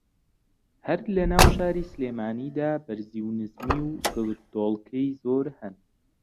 ھەر لە ناو شاری سلێمانی دا بەرزی و نزمی و گردۆڵکەی زۆر ھەن